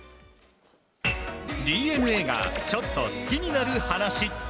ＤｅＮＡがちょっと好きになる話。